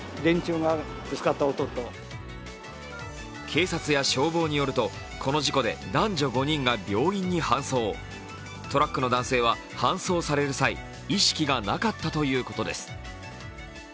警察や消防によると、この事故で男女５人が病院に搬送、トラックの男性は搬送される際意識がなかったということです。